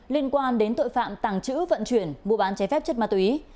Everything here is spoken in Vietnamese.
liên quan đến tội phạm tàng trữ vận chuyển mua bán trái phép chất ma túy